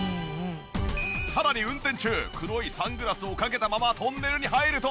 さらに運転中黒いサングラスをかけたままトンネルに入ると。